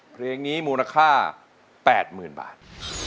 เพลงนี้มูลค่า๘๐๐๐บาท